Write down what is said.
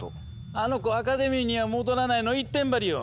あの子「アカデミーには戻らない」の一点張りよ！